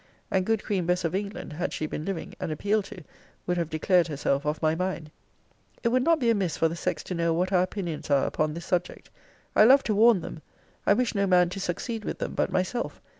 And good Queen Bess of England, had she been living, and appealed to, would have declared herself of my mind. It would not be amiss for the sex to know what our opinions are upon this subject. I love to warn them. I wish no man to succeed with them but myself.